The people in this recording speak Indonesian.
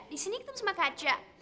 disini ketemu sama kaca